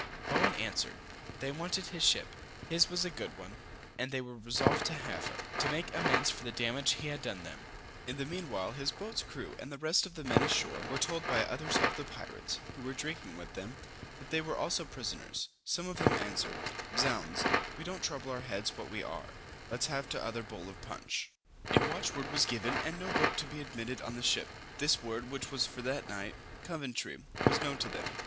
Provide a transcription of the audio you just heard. Bowen answered, "they wanted his ship, his was a good one, and they were resolved to have her, to make amends for the damage he had done them." [Illustration: Hugh Man wetting the Priming of the Guns.] In the mean while his boat's crew, and the rest of his men ashore, were told by others of the pirates, who were drinking with them, that they were also prisoners: some of them answered, Zounds, we don't trouble our heads what we are, let's have t'other bowl of punch. A watchword was given, and no boat to be admitted on board the ship. This word, which was for that night, Coventry, was known to them.